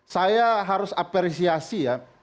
saya harus apresiasi ya